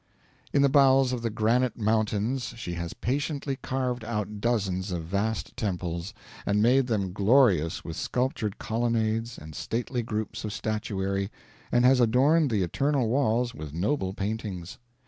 In the bowels of the granite mountains she has patiently carved out dozens of vast temples, and made them glorious with sculptured colonnades and stately groups of statuary, and has adorned the eternal walls with noble paintings.